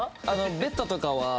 ベッドとかは。